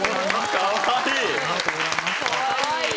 かわいい。